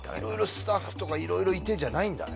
スタッフとかいろいろいてじゃないんだね。